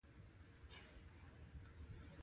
البته له تیمورشاه سره مرسته نه ده شوې.